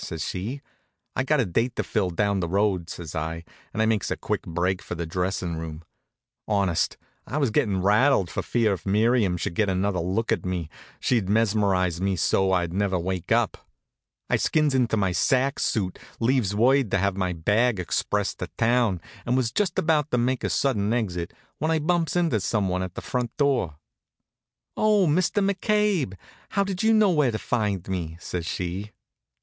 says she. "I've got a date to fill down the road," says I, and I makes a quick break for the dressin' room. Honest, I was gettin' rattled for fear if Miriam should get another look at me she'd mesmerize me so I'd never wake up. I skins into my sack suit, leaves word to have my bag expressed to town, and was just about to make a sudden exit when I bumps into some one at the front door. "Oh, Mr. McCabe! How did you know where to find me?" says she.